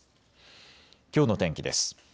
きょうの天気です。